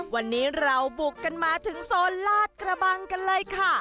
วันนี้เราบุกกันมาถึงโซนลาดกระบังกันเลยค่ะ